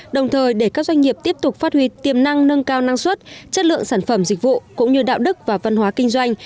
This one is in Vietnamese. đồng thời để các doanh nghiệp tiếp tục phát huy tiềm năng nâng cao năng suất chất lượng sản phẩm dịch vụ cũng như đạo đức và văn hóa kinh doanh